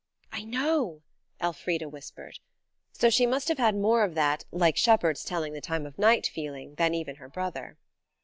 "I know," Elfrida whispered. So she must have had more of that like shepherds telling the time of night feeling than even her brother.